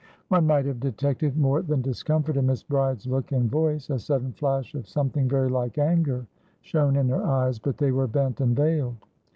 One might have detected more than discomfort in Miss Bride's look and voice. A sudden flash of something very like anger shone in her eyes; but they were bent and veiled.